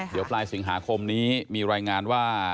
เดี๋ยวปลายสิงหาคมนี้มีรายงานว่า